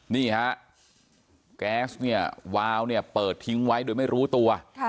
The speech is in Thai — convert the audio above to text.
นี่ฮะแก๊สเนี่ยวาวเนี่ยเปิดทิ้งไว้โดยไม่รู้ตัว